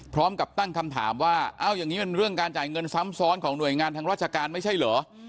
พร้อมกับตั้งคำถามว่าเอ้าอย่างนี้มันเรื่องการจ่ายเงินซ้ำซ้อนของหน่วยงานทางราชการไม่ใช่เหรอ